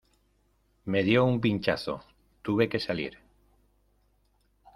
me dio un pinchazo, tuve que salir...